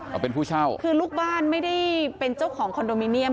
เขาเป็นผู้เช่าคือลูกบ้านไม่ได้เป็นเจ้าของคอนโดมิเนียม